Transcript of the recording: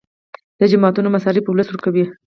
د جوماتونو مصارف ولس ورکوي